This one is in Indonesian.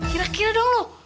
kira kira dong lo